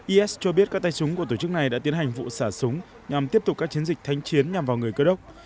is cho biết các tay súng của tổ chức này đã tiến hành vụ xà súng nhằm tiếp tục các chiến dịch thanh chiến nhằm vào người cơ độc